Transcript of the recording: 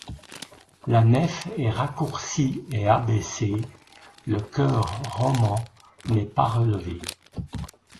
La nef est raccourcie et abaissée, le chœur roman n'est pas relevé.